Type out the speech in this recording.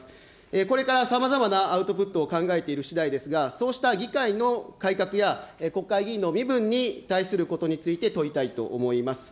これからさまざまなアウトプットを考えているしだいですが、そうした議会の改革や、国会議員の身分に対することについて問いたいと思います。